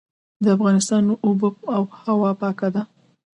د افغانستان اوبه هوا پاکه ده